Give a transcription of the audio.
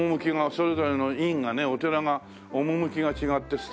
それぞれの院がねお寺が趣が違って素敵な感じの。